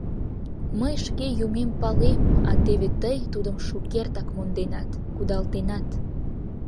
Мый шке юмем палем, а теве тый тудым шукертак монденат, кудалтенат.